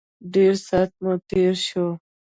ډېر سات مو تېر شو.